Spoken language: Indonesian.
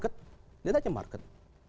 tidak ada market